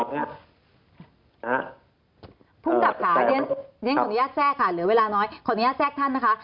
ศคอนุญาตแทรกท่านนะคะ